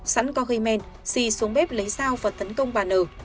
bà n gây men xi xuống bếp lấy sao và tấn công bà n